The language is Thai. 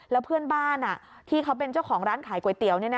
แล้วเพื่อนบ้านที่เขาเป็นเจ้าของร้านขายก๋วยเตี๋ยว